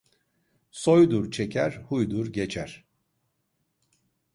Soydur çeker, huydur geçer.